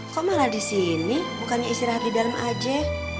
kok malah di sini bukannya istirahat di dalam aja